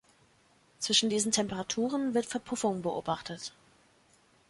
Zwischen diesen Temperaturen wird Verpuffung beobachtet.